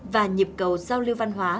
và nhịp cầu giao lưu văn hóa